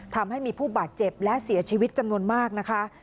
ทำให้มีผู้บาดเจ็บและเสียชีวิตจำนวนมากนะคะ